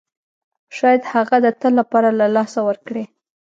شاید هغه د تل لپاره له لاسه ورکړئ.